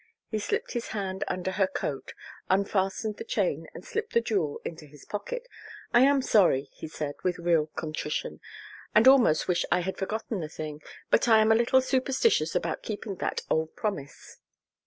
He slipped his hand under her coat, unfastened the chain and slipped the jewel into his pocket. "I am sorry," he said, with real contrition, "and almost wish I had forgotten the thing; but I am a little superstitious about keeping that old promise."